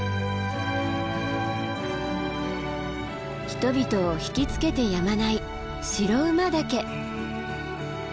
人々を引き付けてやまない白馬岳。